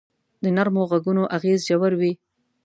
د نرمو ږغونو اغېز ژور وي.